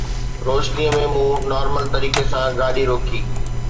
روشنيءَ ۾ مون نارمل طريقي سان گاڏي روڪي